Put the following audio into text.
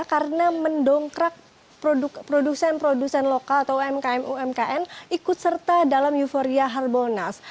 karena mendongkrak produsen produsen lokal atau umkm umkn ikut serta dalam euphoria harbolnas